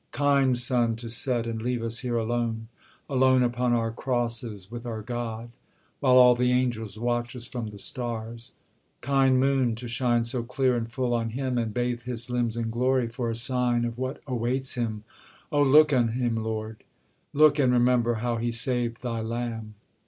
Kind sun, to set, and leave us here alone; Alone upon our crosses with our God; While all the angels watch us from the stars. Kind moon, to shine so clear and full on him, And bathe his limbs in glory, for a sign Of what awaits him! Oh look on him, Lord! Look, and remember how he saved thy lamb!